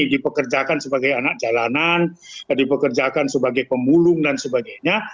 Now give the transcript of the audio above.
dipekerjakan sebagai anak jalanan dipekerjakan sebagai pemulung dan sebagainya